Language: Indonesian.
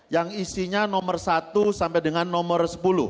yang isinya nomor satu sampai dengan nomor sepuluh